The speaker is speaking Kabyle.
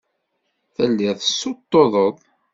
Telliḍ tessuṭṭuḍeḍ.